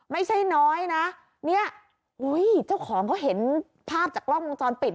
ไม่ใช่น้อยนะเนี่ยอุ้ยเจ้าของเขาเห็นภาพจากกล้องวงจรปิด